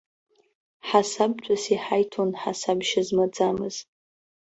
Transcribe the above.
Ҳасабтәыс иҳаиҭон ҳасабшьа змаӡамыз.